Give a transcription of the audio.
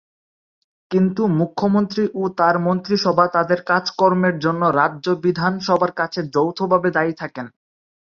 কিন্তু মুখ্যমন্ত্রী ও তার মন্ত্রিসভা তাদের কাজকর্মের জন্য রাজ্য বিধানসভার কাছে যৌথভাবে দায়ী থাকেন।